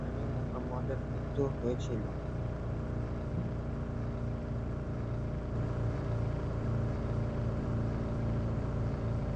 এখানে মুহাম্মাদের মৃত্যু হয়েছিল।